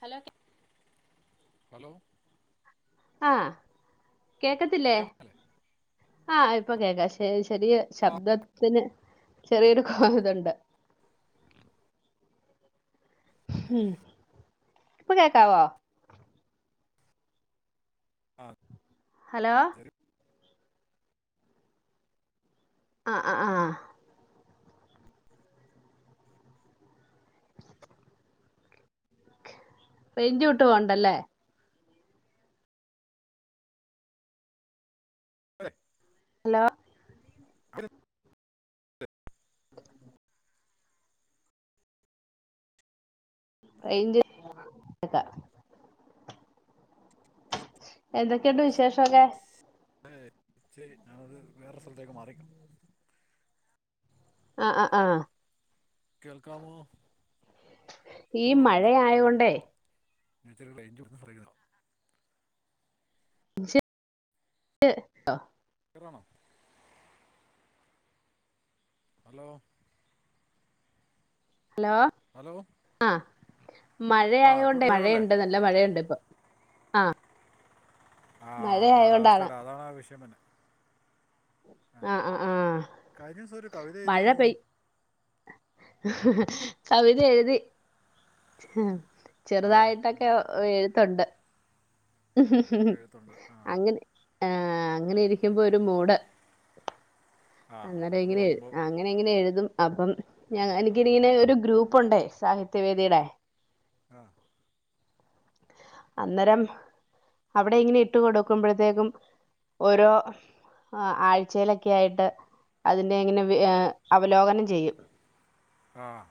Hello hello ആഹ് കേക്കത്തില്ലേ കേൾക്കാൻ മേലേ ആഹ് ഇപ്പൊ കേക്കാം ചെറിയ ആ ശബ്ദത്തിന് ചെറിയൊരു കോ ഇതുണ്ട് ഉം ഇപ്പൊ കേക്കാവോ ആഹ് ഹലോ ആഹ് ആഹ് ആഹ് റേഞ്ച് വിട്ട് പോണ്ടല്ലേ [inaudible] ഹലോ [inaudible] നിന്ന്, റേഞ്ച് [inaudible] എന്തക്കെണ്ട് വിശേഷൊക്കെ ഏഹ് ശരി ഞാനത് വേറൊര് സ്ഥലത്തേക്ക് മാറി നിക്കാം ആഹ് ആഹ് ആഹ് കേൾക്കാമോ ഈ കോളുണ്ട് മഴയായോണ്ടേ ഞാൻ ഇച്ചിരി റേഞ്ച് [inaudible] [inaudible] ക്ലിയറാണോ ഹലോ ഹലോ ഹലോ ആഹ് ആ ഇപ്പോൾ മഴയായോണ്ടേ ക്ലിയർ അല്ലേ മഴയ്ണ്ട് നല്ല മഴയ്ണ്ട് ഇപ്പൊ ആഹ് ആഹ് മഴയായോണ്ടാണ് കാലാവസ്ഥേടെ അതാണാ വിഷയം വര്ന് ആഹ് ആഹ് ആഹ് കഴിഞ്ഞ ദിവസം ഒരു കവിത എഴുതി മഴ എന്ന് പെയ് തോന്നുന്നു കവിത എഴ്തി അതെയോ ചെറുതായിട്ടൊക്കെ എഴുത്ത്‌ണ്ട് എഴുത്തുണ്ട് ആ അങ്ങനെ ആഹ് അങ്ങനെ ഇരിക്കുമ്പോ ഒരു മൂട്. ആ അന്നേരം മൂട് ഇങ്ങനെ എഴ് തോന്നുമ്പോൾ അങ്ങനെ അങ്ങനെ എഴുതും അപ്പം. ഞ എനിക്ക് എഴുതും ഇങ്ങനെ ഒരു ഗ്രൂപ്പുണ്ടേ സാഹിത്യ വേദീടെ ആഹ് അന്നേരം അവടെ ഇങ്ങനെ ഇട്ട് കൊടുക്കുമ്പഴത്തേക്കും ഓരോ ആ ആഴ്ചയിലൊക്കെ ആയിട്ട് അതിന്റെങ്ങനെ വ് ഏ അവലോകനം ചെയ്യും. ആഹ്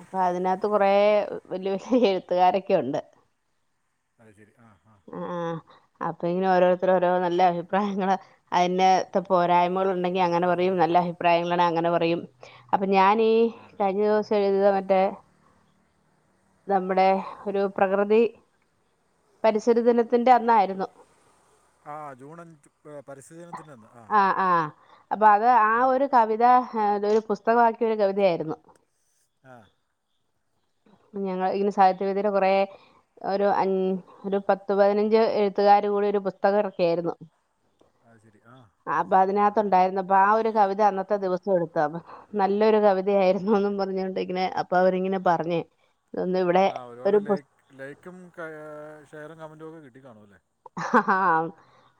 അപ്പൊ അതിനകത്ത് കുറെ വല്യ വല്യ എഴുത്തുകാരൊക്കെയുണ്ട് അത് ശരി ആഹ് ആഹ് ആഹ് അപ്പൊ ഇങ്ങനെ ഓരോരുത്തര് ഓരോ നല്ല അഭിപ്രായങ്ങള്. അയ്ന്റെകത്തെ പോരായ്മകൾ ഉണ്ടെങ്കി അങ്ങനെ പറയും നല്ല അഭി പ്രായങ്ങളാണെ അങ്ങനെ പറയും. അപ്പം ഞാനീ കഴിഞ്ഞ ദിവസം എഴുതിയ മറ്റേ നമ്മുടെ ഒരു പ്രകൃതി പരിസര ദിനത്തിന്റെ അന്നായിരുന്നു. ആഹ് ജൂൺ അഞ്ച് പരിസ്ഥിതി ദിനത്തി്ന്റന്ന് ആഹ് ആ ആ അപ്പൊ അത് ആ ആഹ് ഒരു കവിത ഏഹ് ഒരു പുസ്തകവാക്കിയ ഒരു കവിതയായിരുന്നു. ആഹ് ഞങ്ങള് ഇതിന് സാഹിത്യ വേദിയുടെ കുറേ ഒരു അഞ് ഒരു പത്തു പതിനഞ്ച് എഴുത്തുകാർ കൂടി ഒരു പുസ്തകം എറക്കിയാരുന്നു. അഹ് ശരി ആഹ് അഹ് ശരി ആഹ് അപ്പ ആ ഒരു കവിത അന്നത്തെ ദിവസം എടുത്തു അപ്പൊ നല്ലൊരു കവിതയായിരുന്നൂന്നും പറഞ്ഞോണ്ട് ഇങ്ങനെ അപ്പൊ അവരിങ്ങനെ പറഞ്ഞേ ഒന്ന് ഇവിടെ ആഹ് ഒരുപാട് ഒരു പുസ്ത ലൈക് ലൈക്കും ഷെയറും കമൻറും ഒക്കെ കിട്ടി കാണുല്ലേ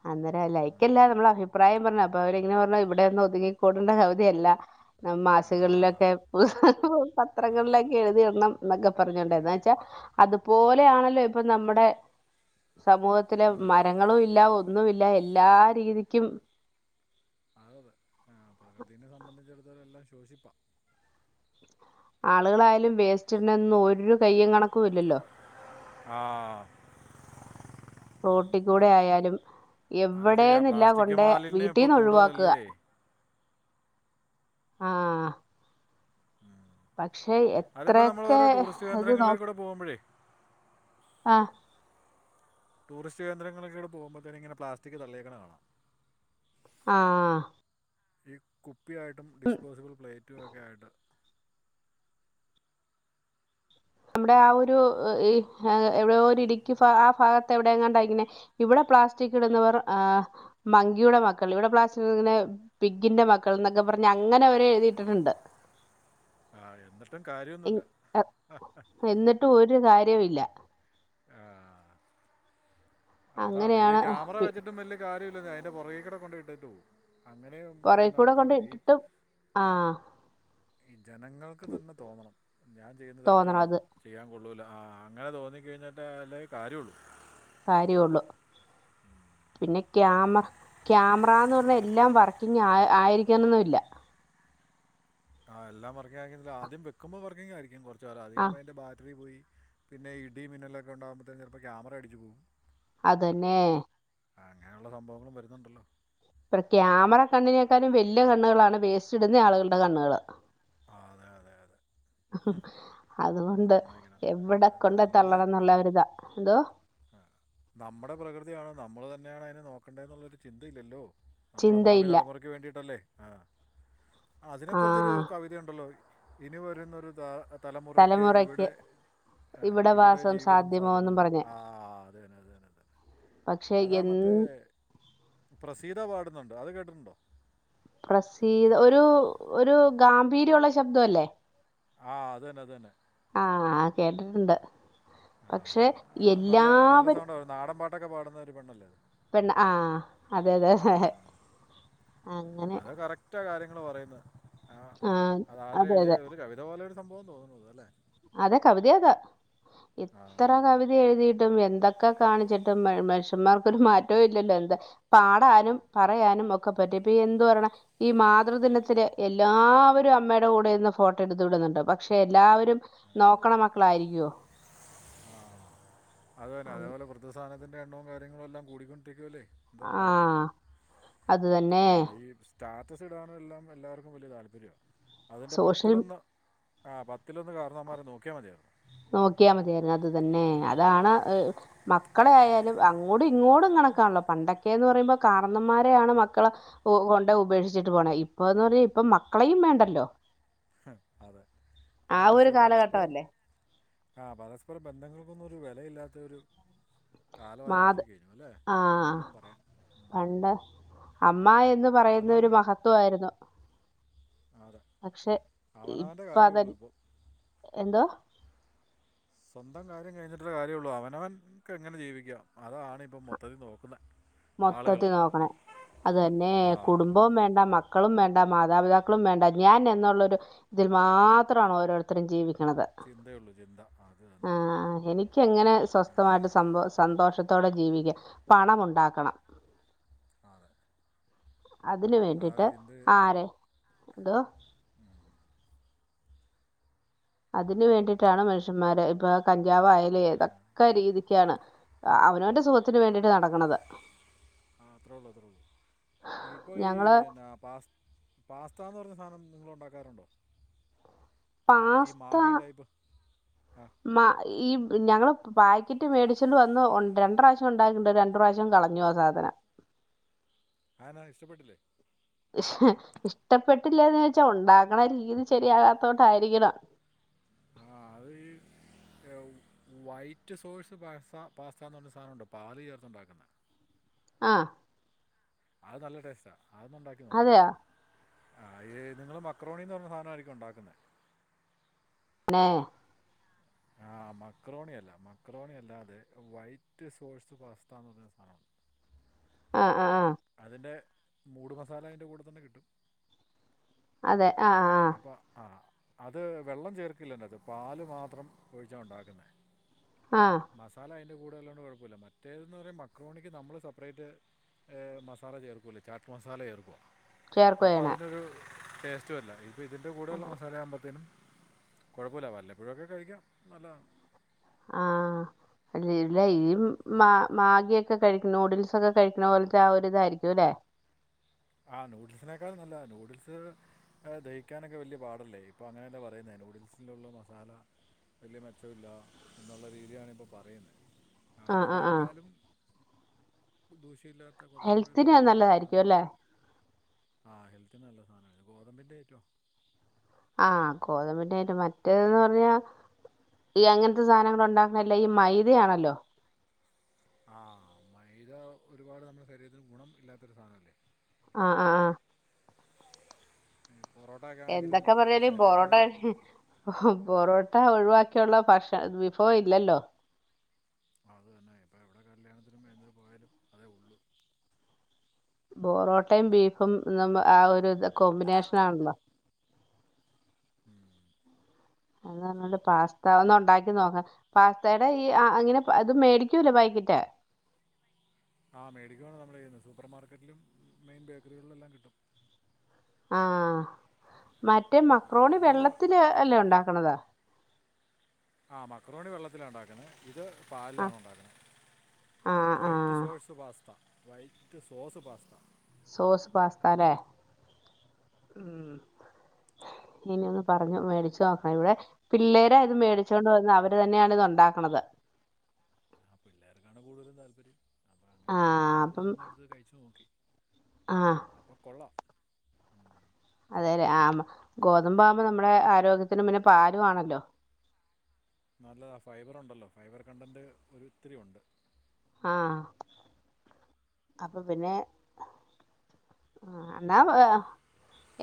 അന്നേരം ലൈക്കല്ല നമ്മളഭിപ്രായം പറഞ്ഞ അപ്പൊ അവരിങ്ങനെ പറഞ്ഞ ഇവിടെന്നും ഒതുകിക്കൂടേണ്ട കവിതയല്ല. ആ മാസികളിലൊക്കെ ആ പത്രങ്ങളിലൊക്കെ എഴുതിയിടണം എന്നൊക്കെ എഴുതി പറഞ്ഞോണ്ടായിന്നച്ചാ അതുപോലെയാണല്ലോ ഇപ്പൊ നമ്മുടെ സമൂഹത്തിലെ മരം ങ്ങളും ഇല്ല ഒന്നുമില്ല എല്ലാ രീതിക്കും. അത അതെ പ്രകൃതിനെ സംബന്ധിച്ചിെടുത്തോള എല്ലാം ശോഷിപ്പാ. ആളുകളായാലും വേസ്റ്റ്ടണന്നും ഒരു കയ്യും കണക്കും ഇല്ലല്ലോ. ആഹ് റോട്ടി കൂടെ ആയാലും അത് ശരിയാ എവിടെന്നില്ല പ്ലാസ്റ്റിക് കൊണ്ടേ മാലിന്യം ഇപ്പോൾ വീട്ടിന്ന് ഒഴിവാക്ക. കൂടുതലല്ലേ ആഹ് മം പക്ഷെ അതിപ്പോ നമ്മൾ എത്രയൊക്കെ ഓരോ ടൂറിസ്റ്റ് ഇത് നോ കേന്ദ്രങ്ങളിലേക്കൂടെ പോകുമ്പഴേ ആഹ് ടൂറിസ്റ്റ്കേന്ദ്രങ്ങളൊക്കൂടെ പോക്ബോത്ന് ഇങ്ങനെ പ്ലാസ്റ്റിക് തള്ളേക്കണ കാണാം. ആഹ് ഈ കുപ്പിയായിട്ടും ഡിസ്പോസിബിൾ പ്ലേറ്റും ഒക്കെ ആയിട്ട് നമ്മുടെ ആ ഒരു എവിടെ ഒരു ഇടുക്കി ഭാ ആ ഭാഗത്തെ എവിടെയണ്ടങ്ങനെ. ഇവിടെ പ്ലാസ്റ്റിക് ഇടുന്നവർ ആഹ് മങ്കിയുടെ മക്കൾ ഇവിടെ പ്ലാസ്റ്റിക് ഇങ്ങനെ. പിഗിന്റെ മക്കൾന്നൊക്കെ പറഞ്ഞ് അങ്ങനെവരെ എഴുതിട്ടിട്ടുണ്ട്. ആഹ് എന്നിട്ടും എ- കാര്യൊന്നുല്ല എന്നിട്ടും ഒരു കാര്യമില്ല. ആഹ് അതാണ് ഈ അങ്ങനെയാണ് ക്യാമറ പി വെച്ചിട്ടും വലിയ കാര്യല്ലന്നേ അതിന്റെ പൊറകിക്കുടെ കൊണ്ട് ഇട്ടിട്ട് പോവും. അങ്ങനെ പൊറേ ചെയ്യുന്ന കൂടെ കൊണ്ട് ആൾക്കാരുണ്ട് ഈ ഇട്ടിട്ടും ആഹ് ഈ ജനങ്ങൾക്ക് തന്നെ തോന്നണം ഞാൻ ചെയ്യുന്നത് തെറ്റാണ്. തോന്നണത് ചെയ്യാൻ കൊള്ളൂല്ല ആ അങ്ങനെ തോന്നിക്കഴിഞ്ഞിട്ടേ അല്ലേൽ കാര്യള്ളൂ. കാര്യം ഉള്ളൂ ഉം പിന്നെ ക്യാമ ക്യാമറാന്ന് പറഞ്ഞാൽ എല്ലാം വർക്കിങ് ആ ആയിരിക്കണന്നില്ല ആഹ് എല്ലാം വർക്കിങ് ആയിരുന്നില്ല ആദ്യം വെക്കുമ്പോ വർക്കിങ്ങ് ആയിരിക്കും കുറച്ച് നേരം അത് കഴിയുമ്പോ ആഹ് അതിന്റെ ബാറ്ററി പോയി പിന്നെ ഇടി മിന്നലൊക്കെ ഉണ്ടാകുമ്പോഴത്തേും ചിലപ്പോ ക്യാമറ അടിച്ചു പോവും അതന്നെ ആഹ് അങ്ങനെയുള്ള സംഭവങ്ങളും വരുന്നുണ്ടല്ലോ ഇപ്പ ക്യാമറ കണ്ണിനേക്കാളും വല്യ കണ്ണുകളാണ് വേസ്റ്റ് ഇടുന്ന ആളുകളുടെ കണ്ണുകള് ആഹ് അതെ അതെ അതെ അതുകൊണ്ട് സമ്മതിക്കണം എവിടെ അത് കൊണ്ട് തള്ളണം എന്നുള്ള ഒരിതാ എന്തോ ആഹ് നമ്മുടെ പ്രകൃതിയാണ് നമ്മൾ തന്നെയാണ് അതിനെ നോക്കേണ്ടതെന്നുള്ളരു ചിന്തയില്ലല്ലോ നമ്മുടെ ഭാവി ചിന്തയില്ല തലമുറക്ക് വേണ്ടിട്ടല്ലേ ആഹ് അതിനെക്കുറിച്ചരു ആഹ് കവിത ഉണ്ടല്ലോ ഇനി വരുന്നൊരു ത തലമുറയ്ക്ക് ഇവിടെ ഇവിടെ വാസം ജീവിതം സാധ്യമെ സാധ്യമോന്നും പറഞ്ഞ് ആഹ് അതെന്നെ അതന്നെ അതന്ന പക്ഷെ അതാ എൻ മറ്റേ പ്രസീത പാടുന്നുണ്ട് അത് കേട്ടിട്ടുണ്ടോ പ്രസീ ഒരു ഒരു ഗാംഭീര്യമുള്ള ശബ്ദം അല്ലേ ആഹ് അതന്നെ അത് തന്നെ ആഹ് കേട്ടിട്ടുണ്ട് പക്ഷെ എല്ലാവരും നാടൻപാട്ടക്കെ പാടുന്ന ഒരു പെണ്ണല്ലേ അത് പെണ്ണ് ആഹ് അതെ അതെ അങ്ങനെ അത് കറക്റ്റാ കാര്യങ്ങൾ പറയുന്നത് ആഹ് അത് ആര് അതെ അതെ എഴുതിയ ഒരു കവി ത പോലൊരു സംഭവം തോന്നുന്നു ത് ല്ലേ അതെ കവിത ആകാ ആ എത്ര കവിത എഴുതിയിട്ടും എന്ത ക്കെ കാണിച്ചിട്ടും മ മനുഷ്യന്മാർക്കൊരു മാറ്റവും ഇല്ലല്ലോ എന്ത് ആ, അതാണ് പാടാനും പറയാനും ഒ ക്ക പറ്റേപ്പ എന്ത് പറിണ ഈ മാതൃദിനത്തില് എല്ലാവരും അമ്മയുടെ കൂടെ ഇരുന്ന് ഫോട്ടോ എടുത്ത് വിടുന്നുണ്ട് പക്ഷെ എല്ലാവരും നോക്കണ മക്കളായിരിക്കോ അതു തന്നെ അതേപോലെ വൃദ്ധസദനത്തിൻ്റെ എണ്ണവും കാര്യങ്ങള എല്ലാം കൂടികൊണ്ടിരിക്കൂല്ലേ ഇന്നത്തെ കാലത്ത് ആഹ് അത് തന്നെ അതാണ് ഈ സ്റ്റാറ്റസ് ഇടാനും എല്ലാം എല്ലാർക്കും വലിയ താല്പര്യാണ് അതിൻ്റെ സോഷ്യൽ പത്തിലൊന്ന് ആഹ് പത്തിലൊന്ന് കാർന്നോമാരെ നോക്കിയാൽ മതിയായിരുന്നു നോക്കിയാൽ മതിയായിരുന്നു അത് തന്നെ അതാണ് [unintelligible] മ ക്കളെ ആയാലും അങ്ങോട്ടും ഇങ്ങോട്ടും കണക്കാണല്ലോ പണ്ടൊക്കെന്ന് പറയുമ്പോൾ കാരണന്മാരെയാണ് മക്കളെ ഇപ്പോ കൊണ്ടയ് ഉപേക്ഷിച്ചിട്ട് പോണ ഇപ്പൊന്ന് പറഞ്ഞാ ഇപ്പ മക്കളെയും വേണ്ടല്ലോ അതെ ആ ഒരു അവസ്ഥയെ പരസ്പരം കാലഘട്ടമല്ലേ ആഹ് പരസ്പരം ബന്ധങ്ങൾക്കൊന്നും ഒരു വെലയില്ലാത്ത ഒരു കാലമായി മാത് മാറിക്കഴിഞ്ഞു ല്ലേ എന്ന് ആഹ് വേണം പറയാൻ പണ്ട് അമ്മ എന്ന് പറയുന്ന ഒരു അവനവൻ്റെ മഹത്വ വായിരുന്നു അതെ അവനാൻ്റെ ഇപ്പ അത് കാര്യള്ളൂ ഇപ്പൊ എന്തോ സ്വന്തം കാര്യം കഴിഞ്ഞിട്ടേ കാര്യള്ളൂ അവനവൻക്ക് എങ്ങനെ ജീവിക്കാം അതാണ് ഇപ്പം മൊത്തത്തിൽ നോക്ക്ണത് മൊത്തത്തിൽ നോക്കണ അത് തന്നെ ആ കുടുംബവും വേണ്ട മക്ക ക്കളും വേണ്ട മാതാപിതാക്കളും വേണ്ട ഞാൻ എന്നുള്ളൊരു ഇതിൽ മാത്രാണ് ഓരോരുത്തരും ജീവിക്ക്ണത് ചിന്തയുള്ളൂ ചിന്ത അതു തന്നെ ഇക്ക്യ് എങ്ങനെ സ്വസ്ഥമായിട്ട് സന്തോ സന്തോഷത്തോടെ ജീവിക്ക പണം ഉണ്ടാ ക്കണം ആണ് അതിന് വേണ്ടിട്ട് ആരെ എന്തോ അതിന് വേണ്ടിട്ടാണ് മനുഷ്യന്മാര് ഇപ്പൊ ആ കഞ്ചാവായാലും ഏതൊക്കെ രീതിക്കാണ്. അവനവന്റെ സുഖത്തിന് വേണ്ടിട്ട് നടക്ക്ണത്. ആഹ് അത്രൊള്ളു അത്രൊള്ളു ഇപ്പോ ഈ ഞങ്ങള് എന്താ പാസ് പാസ്താന്ന് പറഞ്ഞ സാനം നിങ്ങളുണ്ടാക്കാറുണ്ടോ? പാസ്ത. അഹ്. മ ഈഹ് ഞങ്ങള് പാക്കറ്റ് മേടിച്ചോണ്ട് വന്ന് ഒൺ രണ്ട് റാവശ്യം ഉണ്ടാക്കണ്ട് ര ണ്ട് പ്രാവശ്യം കളഞ്ഞു ആഹ് സാധന. ആനാ ഇഷ്ടപ്പെട്ടില്ലേ? ഇഷ്ടപ്പെട്ടില്ലേന്ന് ചോയിച്ചാ ഉണ്ടാകണ രീതി ശരിയാകാത്തോണ്ടായിരിക്കണം. ആഹ് അത് ഈഹ്. വൈറ്റ് സോഴ്‌സ് പാസ്ത പാസ്തന്നർഞ്ഞരു സാനോണ്ട് പാല് ചേർത്ത്ണ്ടാക്കുന്നെ. ആഹ്. അയ് നല്ല ടേസ്റ്റാ അതൊന്ന് ഉണ്ടാക്കി നോക്ക്. അതെയോ ആഹ് നിങ്ങള് മക്രോണിന്ന് പർഞ്ഞ സാനായിരിക്കും ഉണ്ടാക്കുന്ന. [unintelligible] ആഹ് മക്രോണിയല്ല മക്രോണി അല്ലാതെ വൈറ്റ് സോഴ്സ് പസ്താന്ന് പറഞ്ഞ ഒരു സാധനമുണ്ട്. [unintelligible] ആഹ് ആഹ് അതിൻ്റെ മൂട് മസാല അയിൻ്റെ കൂടെ തന്നെ കിട്ടും. അതെ ആ ആ ആ അപ്പ ആഹ് അത് വെള്ളം ചേർക്കില്ല അതിനകത്ത് പാല് മാത്രം ഒഴിച്ചാ ഉണ്ടാക്ക്ന്നെ ആഹ് മസാല അയിൻ്റെ കൂടെള്ളോണ്ട് കൊഴപ്പല്ല മറ്റേതെന്ന് പറയും മക്രോണിക്ക് നമ്മള് സപ്പറേറ്റ് മസാല ചർക്കൂലേ ചാട്ട് മസാല ചേർക്കുവാ അപ്പൊ ചേർക്കുകയാണ് അതിനൊരു ടേസ്റ്റു വരില്ല ഇത് ഇതിന്റെ കൂടെയുള്ള മസാല ആവുമ്പോത്തേനും കൊഴപ്പൊല്ല വല്ലപ്പോഴൊക്കെ കഴിക്കാം നല്ലതാ ആഹ് ഇല്ലില്ല ഈ മാ മാഗിയൊക്കെ കഴിക്കും നൂഡിൽസൊക്കെ കഴിക്ക്ണ പോലത്തെ ആ ഒരു ഇതായിരിക്കുംലേ ആഹ് നൂഡിൽസിനേക്കാളും നല്ലതാ നൂഡിൽസ് ദഹിക്കാനൊക്കെ വെല്യേ പാടല്ലേ ഇപ്പോ അങ്ങനെല്ലേ പറയുന്നെ നൂഡിൽസിലുള്ള മസാല വല്യ മെച്ചമില്ല എന്നുള്ള രീതിയാണ് ഇപ്പോ പറയുന്നേ ആഹ് ആഹ് ആഹ് അതിനേക്കാളും ദൂഷ്യല്ലാ ഹെൽത്തിന് നല്ലതായിരിക്കും അല്ലെ ആഹ് ഹെൽത്തിന് നല്ല സാനാണ് ഗോതമ്പിന്റെ അയ്റ്റമാണ് ആഹ് ഗോതമ്പിന്റെ അയിറ്റം മറ്റേന്ന് പറഞ്ഞ ഈ അങ്ങനത്തെ സാനങ്ങളുണ്ടാക്ക്ണെല്ലാം ഈ മൈദയാണല്ലോ. ആഹ് മൈദ ഒരുപാട് നമ്മുടെ ശരീരത്തിന് ഗുണം ഇല്ലാത്തൊരു സാധനം അല്ലേ. ആഹ് ആഹ് ആഹ് [unintelligible] പൊറോട്ട ഒക്കെ ആണെങ്കിലും എന്തൊക്കെ പറഞ്ഞാല് പൊറോട്ട ശരീരത്തിന് കഴി പൊറോട്ട ഒഴിവാക്കിയുള്ള ഭക്ഷ വിഭവം ഇല്ലല്ലോ അത് തന്നെ ഇപ്പൊ എവടെ കല്യാണത്തിനും എന്തിന് പോയാലും അതേ ഒള്ളൂ പൊറോട്ടയും ബീഫും എന്നും ആഹ് ഒരു ഇത് കോമ്പിനേഷനാണല്ലോ. ഉം. അത് പറണ്ട് പാസ്ത ഒന്നു ഉണ്ടാക്കി നോക്ക പാസ്തേടെ ഈ അങ്ങനെ അത് മേടിക്കോല്ലോ പാക്കറ്റ് ആഹ് മേഡിക്കോണ് നമ്മള് ചെയ്യുന്നത് സൂപ്പർ മാർക്കറ്റിലും മെയിൻ ബേക്കറികളിലും എല്ലാം കിട്ടും. ആഹ് മറ്റേ മക്രോണി അതൊന്ന് വെള്ളത്തില് അല്ലേ ഉണ്ടാക്ക്ണത്. ആഹ് മക്രോണി വെള്ളത്തില ഇണ്ടാക്ണ് ഇത് ആഹ് പാലിലാണ് ഉണ്ടാക്കണത് ആഹ് വൈറ്റ് ആഹ് സോഴ്സ് pasta white sauce pasta sauce pasta ലേ [inaudible] ഇനി ഒന്ന് പറഞ്ഞു മേടിച്ചു നോക്കണം ഇവിടെ പിള്ളേരാ ഇത് മേടിച്ചുകൊണ്ട് വന്ന് അവര് തന്നെയാണ് ഇത് ഉണ്ടാക്കണത്. ആ പിള്ളേർക്കാണ് കൂടുതൽ താല്പര്യം. അപ്പം അങ്ങനെ ആ ഉണ്ടാക്കിയപ്പോ അപ്പം ഞാനതൊന്ന് എടുത്ത് കഴിച്ചു നോക്കി ആ അപ്പോ കൊള്ളാം. ഉം അതെ അതെ ആ ഗോതമ്പ് ആവുമ്പോ നമ്മെടെ ആരോഗ്യത്തിനും പിന്നെ പാലും ആണല്ലോ. നല്ലതാ ഫൈബർ ഉണ്ടല്ലോ ഫൈബർ കണ്ടന്റ് ഒരു ഒത്തിരി ഉണ്ട്. ആഹ് അപ്പ പിന്നെ. ആഹ് ആ എന്നാ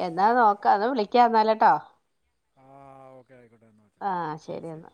എന്താന്ന്നോക്കാ അന്ന് വിളിക്ക്യാ എന്നാല് ട്ടോ. ആഹ് ഓക്കെ ആയിക്കോട്ടെ എന്ന. ആഹ് ശരി എന്നാ.